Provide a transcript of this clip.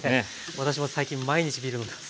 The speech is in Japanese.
私も最近毎日ビール飲んでます。